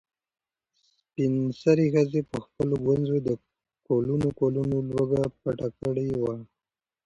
سپین سرې ښځې په خپلو ګونځو کې د کلونو کلونو لوږه پټه کړې وه.